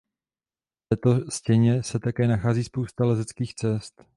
V této stěně se také nachází spousta lezeckých cest.